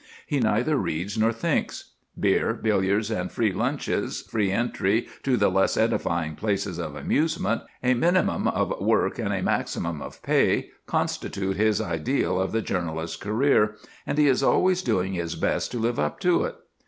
He neither reads nor thinks. Beer, billiards, and free lunches, free entry to the less edifying places of amusement, a minimum of work and a maximum of pay, constitute his ideal of the journalist's career, and he is always doing his best to live up to it.